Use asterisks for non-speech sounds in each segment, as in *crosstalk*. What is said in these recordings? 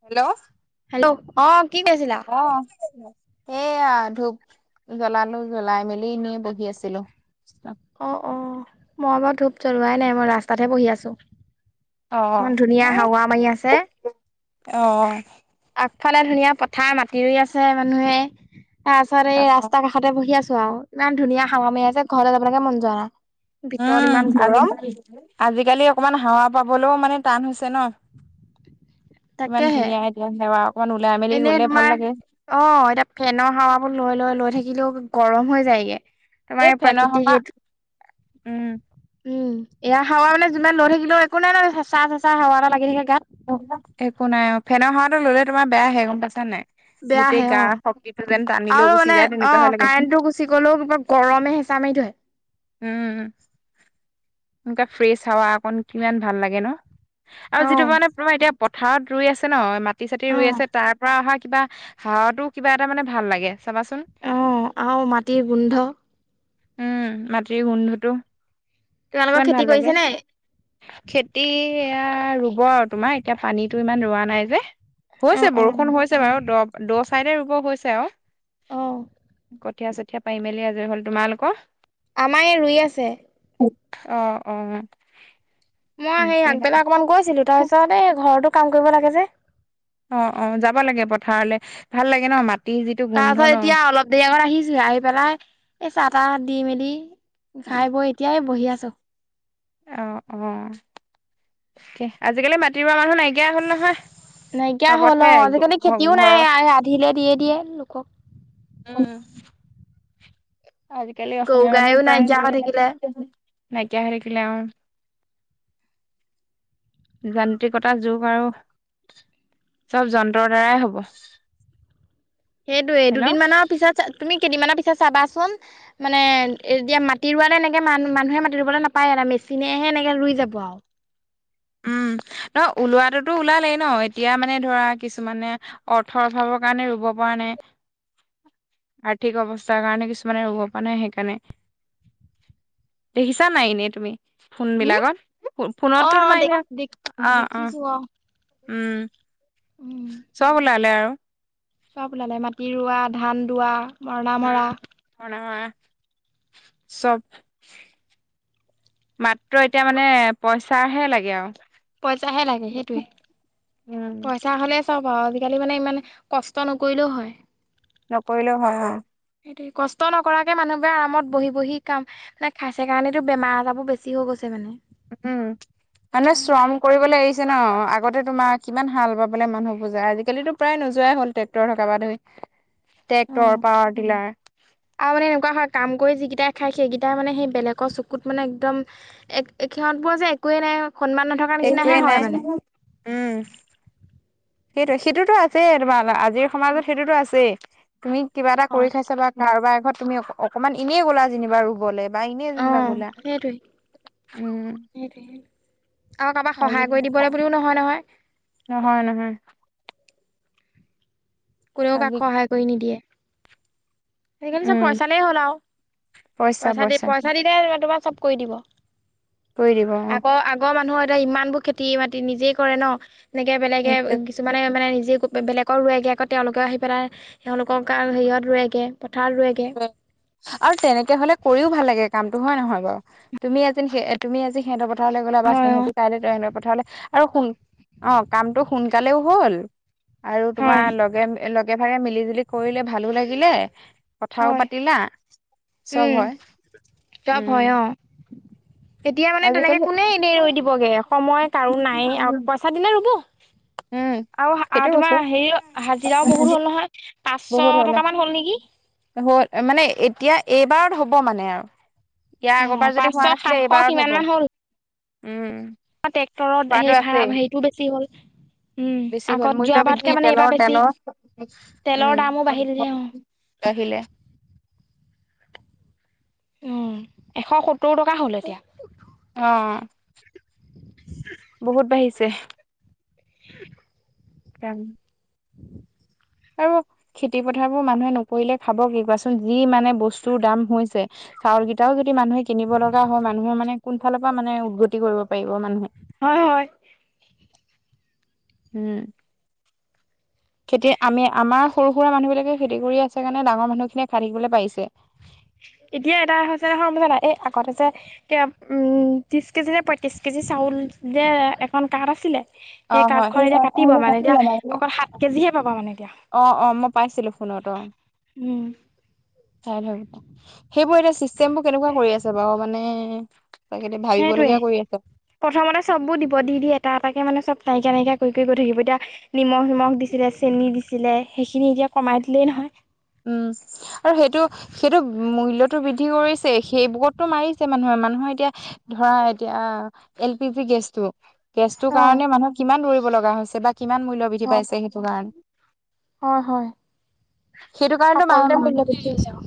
Hello hello অ' কি কৈছিলা? অ' সেইয়া ধূপ জ্বলালো জ্বলাই মেলি এনে বহি আছিলো। অ' অ' মই বাৰু ধূপ জ্বলোৱাই নাই মই ৰাস্তাতহে বহি আছো। অ ইমান ধুনীয়া হাৱা মাৰি আছে। অ অ ইফালে ধুনীয়া পথাৰ মা ই আছে মানুহে তাৰ পাছত এই ৰাস্তা কাষতে বহি আছো। ও ইমান ধুনীয়া হাবা মাৰি আছে ঘৰলৈ যাবলৈকে মন যোৱা নাই। ভিতৰত ইমান উম আজাল গৰম আজিকালি অকমান হাৱা পাবলৈও মানে টান হৈছে। ছে ন, ইমান তাকেহে ধুনীয়া এতিয়া সেৱা অকমান ওলাই মেলি এনেই গলে ভাল তোমাৰ লাগে। অ' এতিয়া ফেনৰ হাৱা বোৰ লৈ লৈ লৈ থাকি িলে গৰম হৈ যায়গে এই তোমাৰ ফেনৰ প্ৰাকৃতিক হাৱা এইটো উম। উম এয়া হাৱা মানে যিমান লৈ থাকিলেও একো নাই ন চা চেচা হাৱা এটা লাগি থাকে। গাত অ' একো নাই অ' ফেনৰ হাবাটো ললে তোমাৰ বেয়া আহে গম পাইচা নে নাই? গোটেই বেয়াহে গাৰ অ' শক্তিটো যেন টানি লৈ আৰু গুচি মানে যায় তেনেকুৱাহে অ' লাগে কাৰেণ্টটো গুচি গলেও কিবা গৰমে হেঁচা মাৰি ধৰে। উম। ফ্ৰেছ হাৱা অকন কিমান ভাল লাগে ন আৰু অ যিটো মানে তোমাৰ এতিয়া পথাৰত ৰুই আছে ন মাটি চাতি অ ৰুই আছে তাৰ পৰা অহা কিবা হাবাতো মানে কিবা এটা মানে ভাল লাগে। চাবাচোন অ' আৰু মাটিৰ গোন্ধ। উম মাটিৰ গোন্ধটো। তোমালোকৰ কিমান ভাল খেতি লাগে কৰিছে নে? খেতি এয়া ৰুব আৰু তোমাৰ এতিয়া পানীতো ইমান ৰোৱা নাই যে। অ হৈছে অ বৰষুণ হৈছে বাৰু দ দ চাইডে ৰুব হৈছে আৰু। অ কঠীয়া চঠীয়াা পাই মেলি আজৰি হল তোমালোকৰ? আমাৰ এই ৰুই আছে। অ' অ'। মই সেই ঠিকে আগবেলা অকমান গৈছিলো তাৰপিছত এই ঘৰতো কাম কৰিব লাগে যে। অ' অ' যাব লাগে পথাৰলৈ ভাল লাগে ন মাত তাৰ পাছত এতিয়া অলপ দেৰি আগত আহিছো আহি পেলাই এই চাহ তাহ দি মেলি খাই বৈ এতিয়াই বহি আছো। অ' অ' তে আজিকালি মাটি ৰুৱা মানুহ নাইকিয়া হ'ল নহয়। নাইকিয়া হ'ল পাবহে অ' আজিকালি খেতিও নাই ঘৰৰ আধিলে দিয়ে দিয়ে লোকক আজিকালি গৰু অসমীয়া মানুহো গাইও নাইকিয়া হৈ থাকিলে প্ৰায়ে নাইকিয়া হৈ থাকিলে। *inaudible* যান্ত্ৰিকতাৰ যুগ আৰু। চব যন্ত্ৰৰ দ্বাৰাই হ'ব। সেইটোয়ে দুদিনমানানৰ পিছত তুমি কেইদিনমানৰি ছে চাবাচোন মানে এতিয়া মাতি ৰুোৱা ন এনেকে মান মানুহে মাতি ৰুবলৈ নাপায় এটা মেচিনেহে এনেকে ৰুই যাব আৰু। উম ন ওলোৱাাততো ওলালেই ন এতিয়া মানে ধৰা কিছুমানে অৰ্থৰ অভাৱৰ কাৰণে ৰুব পৰা নাই। *inaudible* আৰ্থিক অৱস্থাৰ কাৰণে কিছুমানে ৰুব পৰা নাই সেইকাৰণে। দেখিছা নাই এনেই তুমি? ফোন উম বিলাকত অ ফোনতেটো অ তোমাৰ দে এনে দে অ', অ', দেখিছো উম *inaudible* চব ওলালে আৰু। চব ওলালে মাটি ৰোৱা, ধান দোৱা মৰণা মৰা উম, অ, নহয় চব। মাত্ৰ এতিয়া মানে পইচাহে লাগে আওঁ। পইচাহে লাগে সেইটোৱে উম পইচা হ'লে চব সহ আজিকালি মানে ইমান কষ্ট নকৰিলেও হয়। নকৰিলেও হয় অ, সেইটোৱে কষ্ট নকৰাকে মানুহবোৰে আৰামত বহি- বহি কাম মানে খাইছে কাৰনেটো বেমাৰ আজাৰবোৰ বেছি হৈ গৈছে মানে। উম, মানুহে শ্ৰম উম কৰিবলৈ এৰিছ যে ন' আগতে তোমাৰ কিমান হাল বাবলে মানুহবোৰ যায় আজিকালিটো প্ৰায় নোযোৱাই হ'ল ট্ৰেক্টৰ থকাৰ বা ধই। ট্ৰেক্টৰ, অ পাৱাৰটিলাৰ। খাই সেইকেইটা মানে সেই বেলেগৰ চকুত মানে একদম এক সিহঁতবোৰ যে একোৱেই নাই সন্মান নথকাৰ একোৱেই নিচিনাহে নাই হয় মানে। উম সেইটোৱে সেইটো টো আছে *unintelligible* আজিৰ সমাজত সেইটো টো আছেই। তুমি কিবা এটা হয়। কৰি খাইছা বা কাৰোবাৰ এঘৰত তুমি অকমান এনেই গ'লা যেনিবা ৰুবলে বা এনেই অ যেনিবা গ'লা সেইটোৱে উম, সেইটোৱে। আৰু কাৰোবাক আজি সহায় কৰি দিবলৈ বুলিও নহয় -নহয়। নহয় নহয় কোনেও আজি কাক সহায় কৰি নিদিয়ে। সেইকাৰণে চব উম পইচালেই হ'ল আৰু পইচা দি পইচা দিলে তোমাক কৰি দিব কৰি দিব আগৰ-আগৰ মানুহৰ এ ইমান বোৰ খেতি বাতি নিজে কৰে ন এনেকে বেলেগে কিছুমানে মানে নি যি বেলেগক ৰোৱেগৈ আকৌ তেওঁলোকেও আহি পেলাই তেওঁলোকক হেৰিয়ত ৰোৱগৈ। আৰু তেনেকে হলে কৰিও ভাল লাগে কাম নহয় নহয় বাৰু তুমি-তুমি সিহঁতৰ আজি পথাৰলৈ গ'লে বা হয় অ সিহঁতি কাইলে সিহঁতৰ পথাৰলৈ। আৰু শুন অ, কামটো সোনকালেও হ'ল আৰু হয় তোমাৰ লগে একে ভাগে মিলি -জুলি কৰিলে ভালো লাগিলে। কথাও হয় পাতিলা, চব হয়। চব উম হয় অ, এতিয়া মানে তেনেকে আজিকালি কোনে এনে ৰৈ দিবগে সময় কাৰো নাই পইচা দিলে ৰুব। উম *inaudible* আৰু সেইটোয়ে তোমাৰ কৈছো হেৰি হাজিৰাও বহুত হল নহয় পাঁচশ টকা মান হল নেকি। হল মানে এতিয়া এইবাৰত হ'ব মানে আৰু ইয়াৰ অ আগৰবাৰ যদি পাঁচশ হোৱা নাছিলে সাতশ এইবাৰত সিমান হব। মান হ'ল উম, ট্ৰেক্টৰত হোৱাটো সেই ভাড়া আছেই হেৰিটোও বেছি হ'ল। উম বেছি হ'ল আগত মূল্য যোৱাবাৰতকে বৃদ্ধি মানে এইবাৰ তেলৰ - বেছি তেলৰ তেলৰ উম, দামো বাঢ়িলহে অ বাঢ়িলে। *inaudible* উম, এশ সত্তৰ টকা হ'ল এতিয়া। অহ, বহুত বাঢ়িছে। *inaudible* কাম। আৰু খেতি পথাৰবোৰ মানুহে নকৰিলে খাব কি কোৱাচোন, যি মানে বস্তুৰ দাম হৈছে। চাউল কেইটাও যদি মানুহে কিনিব লগা হয়, মানুহে মানে কোন ফালৰ পৰা মানে উদগতি কৰিব পাৰিব মানুহে। হয় হয়। উম, খেতি, আমি আমাৰ সৰু-সুৰা মানুহ বিলাকে খেতি কৰি আছে কাৰণে ডাঙৰ মানুহ খিনিয়ে কাঢ়িবলৈ পাইছে। এতিয়া এটা হৈছে নহয় বুইছা নাই এই আগতে যে কে উম, ত্ৰিছ কেজি নে পইত্ৰিছ কেজি চাউল যে এখন কাৰ্ড আছিলে অ সেই হয় কাৰ্ডখন এতিয়া কাটিব মানে এতিয়া অকল সাত কেজিহে পাবা মানে এতিয়া। অ', অ', মই পাইছিলোঁ ফোনত অ, উম, চাই *unintelligible* সেইবোৰ এতিয়া চিষ্টেমবোৰ কেনেকুৱা কৰি আছে বাৰু মানে তাকে এতিয়া সেইটোৱে ভাবিবলগীয়া কৰি আছে প্ৰথমতে চববোৰ দিব দি-দি এটা- এটাকে মানে চব নাইকীয়া-নাইকীয়া কৰি-কৰি কৰিব ধৰিব এতিয়া নিমখ-নিমখ দিছিলে, চেনি দিছিলে, সেইখিনি এতিয়া কমাই দিলেই নহয়। উম, আৰু সেইটো-সেইটো মূল্যটো বৃদ্ধি কৰিছে সেইবোৰতো মাৰিছে মানুহৰ মানুহে এতিয়া ধৰা এতিয়া এল পি জি গেছটো গেছটোৰ অ কাৰণে মানুহ কিমান দৌৰিব লগা হৈছে, বা কিমান মূল্য অ বৃদ্ধি পাইছে সেইটো কাৰণে। হয় হয় সেইটোৰ কাৰণেটো সকলোতে *unintelligible* মূল্য কি বৃদ্ধি হৈছে আৰু।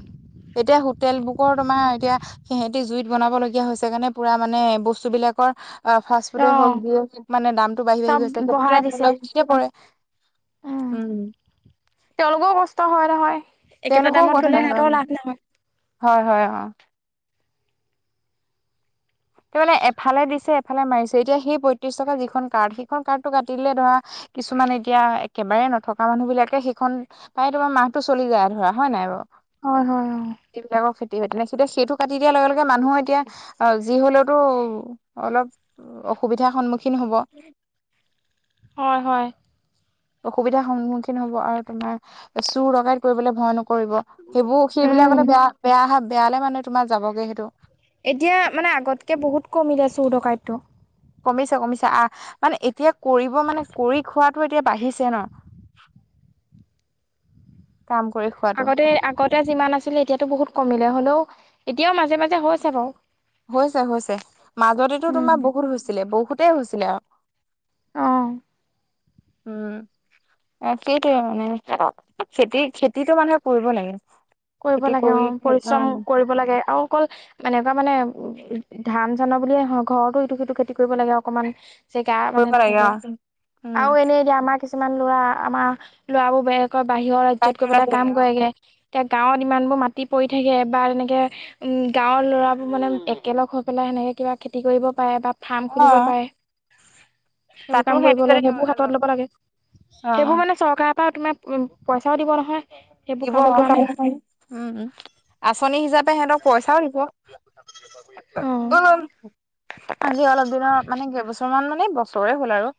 এতিয়া হোটেল বুকৰ তোমাৰ এতিয়া হে এতিয়া জুইত বনাব লগীয়া হৈছে কাৰণে পুৰা মানে বস্তুবিলাকৰ অ, ফাষ্ট অ ফুডে হওক যিয়ে হওঁক মানে দামটো বাঢ়ি-বাঢ়ি চব গৈছে বঢ়াই দিছে গতিকে *unintelligible* পৰে। উম তেওঁলোকেও কষ্ট হয় নহয়। একেটা তেওঁলোকৰ দামত থলে *unintelligible* সিহঁতৰও লাভ নহয় হয় হয় অ'। তাৰ মানে এফালে দিছে এফালে মাৰিছে, এতিয়া সেই পইত্ৰিছ টকা যিখন কাৰ্ড সেইখন কাৰ্ডটো কাটিলে ধৰা- কিছুমান এতিয়া একেবাৰে নথকা মানুহ বিলাকে সেইখন পায় তোমাৰ মাহটো চলি যায় ধৰা, হয় নাই বাৰু। হয় হয় হয়। যিহে তুৱে সেইটো কাটি দিয়াৰ লগে লগে মানুহৰ এতিয়া আ যি হলেওতো অলপ অসুবিধা সন্মুখ- হয় হয়। অসুবিধাৰ সন্মুখীন হব আৰু তোমাৰ চুৰ ডকাইত কৰিবলৈ ভয় নক- কৰিব এইবোৰ উম সেইবিলাক বেয়া বেয়া বেয়ালৈ মানে তোমাক যাব গৈ সেইটো। এতিয়া মানে আগতকৈ বহুত কমিলে চোৰ- ডকাইটো। কমিছে, কমিছে আহ মানে এতিয়া কৰিব মানে কৰি খোৱাতটো এতিয়া বাঢ়িছে ন? *inaudible* *unintelligible* কাম কৰি খোৱাটো আগতে আগতে যিমান আছিলে এতিয়াতো বহুত কমিলে হ'লেও এতিয়াও মাজে মাজে হৈছে আকৌ - হৈছে হৈছে মাজতেটো উম তোমাৰ বহুত হৈছিলে বহুতেই হৈছিলে অঁ। অ উম। *unintelligible* *unintelligible* *unintelligible* *unintelligible* *unintelligible* কৰিব লাগে কৰিব খেতি লাগে কৰি অঁ পৰিশ্ৰম উম কৰিব লাগে আৰু অকল এবাৰ মানে- উ ধান জানা বুলিয়ে নহয় ঘৰতো ইটো সিটো খেতি কৰিব লাগে অকমান জেগা কৰিব মানে লাগে অ ধুনীয়াকৈ, উম আও এনেই এতিয়া আমাৰ - কিছুমান লৰা আমাৰ লৰাবোৰ বেলেগত বাহিৰৰ ৰাজ্যত বাহিৰত গৈ আছে কাম অ কৰেগৈ এ গাওঁত ইমানবোৰ মাত- টিপ পৰি থাকে বা তেনেকে গাঁৱৰ ল'ৰাবোৰ মানে একেলগ হৈ পেলাই সেনেকৈ কিবা খেতি কৰিব পাৰে, বাত ফাৰ্ম অ খুলিব পাৰে। সেইবোৰ তাতো কাম সেইটো যদি কৰিবলৈ লৈ সেইবোৰ লগ হাতত লব লাগে, অ সেইবোৰ মানে চৰকাৰ তাত তোমাৰ পইচাও দিবনহয় সেইবোৰ দিব কামৰ কাৰণে। উম উম আঁচনি হিচাপে সিহঁতক পইচাও দিব। অ' আজি অলপ দিনৰ মানে কি বছ কিছুমান মানে বছৰে হ'ল আৰু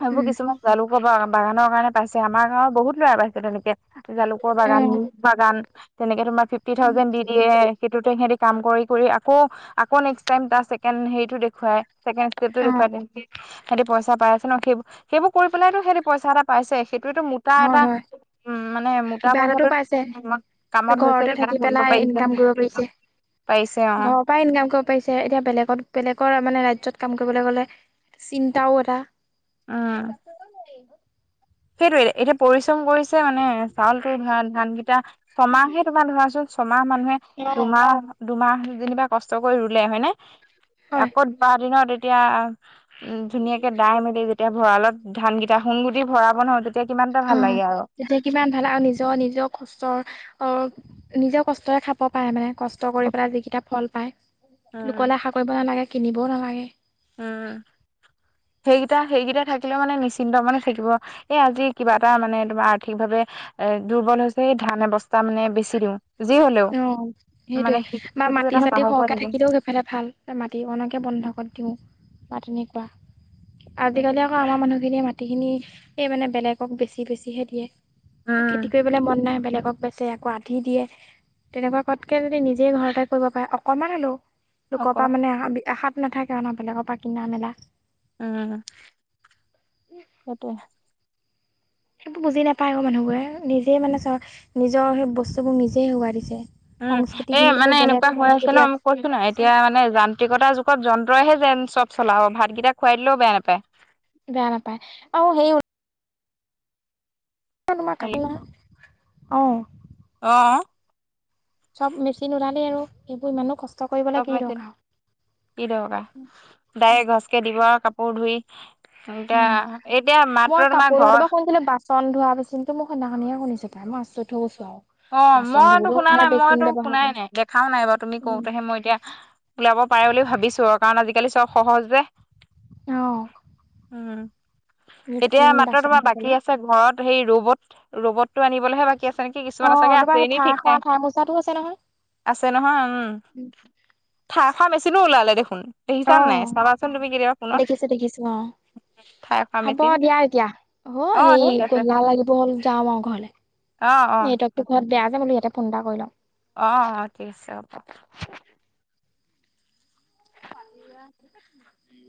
সেইবোৰ উম, কিছুমান জালু কবা বাগানৰ কাৰণে পাইছে, আমাৰ গাওঁৰ বহুত ল'ৰাই পাইছে তেনেকৈ। জালুকৰ বাগান- অ', বাগান তেনেকে তোমাৰ ফিফটি থাউজেনড দি দিয়ে সেইটোতে হেৰি - কাম কৰি কৰি আকৌ আকৌ নেক্স টাইম বা ছেকেণ্ড হেৰিত দেখুৱাই ছেকেণ্ড টো অ', দেখুৱাই দিয়ে। *inaudible* হেৰি পইচা পায় আছে ন সেই- সেইবোৰ কৰিপেলাইটো পইচা এটা পাইছে, সেইটো মোটা হয়, এটা- হয় উম মানে মোটা কিবা এটাতো পাইছে। বছৰটোত কামত হৈছে ঘৰতে থাকি সেইকাৰণে কৰিব পেলাই পাৰিছে। ইনকাম কৰিব পাৰিছে। পাৰিছে অ ঘৰৰ পৰাই ইনকাম কৰিব পাৰিছে, এতিয়া বেলেগত বেলেগৰ মানে ৰাজ্যত কাম কৰিবলে গ'লে চিন্তাও এটা অহ। সেইটোৱে এতিয়া পৰিচ কৰিছে মানে চাউলটো ধৰা ধানকেইটা ছমাহে তোমাৰ ধৰাচোন ছমাহ মানুহে দুমাহ দুমাহ যেনিবা কষ্ট কৰি ৰুলে হয়নে হয় একত বাৰ দিনত এতিয়া উম ধুনীয়াকে দাই মেলি যেতিয়া ভঁৰালত ধানকেইটা সোণ গুটি ভৰাব নহয় তেতিয়া কিমান এটা অ ভাল লাগে আৰু তেতিয়া কিমান ভাল আৰু নিজৰ নিজৰ কষ্টৰ অ নিজেও কষ্টৰে খাব পাৰে মানে কষ্ট কৰি পেলাই যিকেইটা ফল পায়। উম লোকলে আশা কৰিব নালাগে কিনিবও নালাগে। উম। সেইকেইটা সেইকেইটা থাকিলেও মানে নিশ্চিন্ত মানে থাকিব এই আজি কিবা এটা মানে তোমাৰ আৰ্থিক ভাৱে এ দুৰ্বল হৈছে ধান এক বস্তা মানে বেছি দিওঁ যি হলেও, মানে সেইটো এটা খেতি চাতি সাহস হৈ সৰহকে থাকে থাকিলেও সেইফালে ভাল মাটি অকণকে বন্ধকত দিওঁ মাত এনেকুৱা সেইটো আজিকালি আকৌ আমাৰ মানুহখিনিয়ে মাটিখিনি এই মানে বেলেগক বেছি বেছিহে দিয়ে, উম খেতি কৰিবলৈ মন নাই বেলেগক বেচে আকৌ আধি দিয়ে তেনেকুৱা কৰাতকে যদি নিজেই ঘৰতে কৰিব পাৰে অকমান হলেও লোকৰ অকমান পা মানে আশাত নাথাকে ন বেলেগৰ পৰা কিনা মেলা উম, সেইটোৱে *inaudible* সেইবোৰ বুজি নাপায় অ মানুহবোৰে নিজে মানে চ নিজৰ সেই বস্তুবোৰ নিজে হেৰুৱাই দিছে। উম সংস্কৃতি এ খিনিকো মানে বেলেগ এনেকুৱা হৈ আছে সংস্কৃতি ন কৈছো নাই এতিয়া মানে যান্ত্ৰিকতাৰ যুগত যন্ত্ৰ ৰয়হে যেন চব চলা হব ভাতকেইটা খোৱাই দিলেও বেয়া নাপায়। বেয়া নাপায় আৰু সেই উ তোমাৰ কাটলা, অহ অহ *inaudible* চব মেচিন ওলালেই আৰু সেইবোৰ ইমানো কষ্ট কৰিবলৈ চব কি মেচিন, দৰকাৰ কি দৰকাৰ ডাইৰেক্ট ঘছকে দিব আৰু কাপোৰ ধুই এতিয়া উম এতিয়া মই মাত্ৰ কাপোৰ তোমাক ধোৱাটো পৰা ঘৰ শুনিছিলো বাচন ধোৱা মেচিনটো মোক সেইদিনাখনিয়ে শুনিছো পাই মই আচৰিত হৈ গৈছোঁ অ মইতো শুনা নাই মইতো ব্যৱহাৰ শুনাই কৰে নাই দেখাও নাই বাও তুমি উম কওঁতেহে মই এতিয়া ওলাব পাৰে বুলি ভাবিছো আৰু কাৰণ আজিকালি চব সহজ যে, অঁ উম। এতিয়া মেচিন মাত্ৰ বাচন তোমাৰ ধুবলে। বাকী আছে ঘৰত সেই ৰ'বত, ৰ'বত আনিবলেহে বাকী আছে নেকি কিছুমানে অ', চাগে তোমাৰ আছে সেই নি ঠাৰ ঠিক খোৱা নাই, ঠাৰ মোচাটো আছে নহয়। আছে নহয় উম। খাৰ খা মেচিনো ওলালে দেখোন দেখিছান অঁ, নাই চাবাচোন তুমি কেতিয়াবা ফোনত দেখিছো দেখিছো অঁ ঠাই খোৱা হব মেচিন দিয়া এতিয়া অ এই ঠিক আছে গধূলা লাগিব হ'ল যাওঁ আও ঘৰলে। অ অ ঠিক আছে। *unintelligible* অ অ ঠিক আছে হ'ব। *unintelligible* *inaudible*